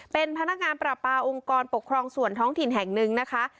เป็นพนักงานปราปาองค์กรปกครองส่วนท้องถิ่นแห่งหนึ่งนะคะ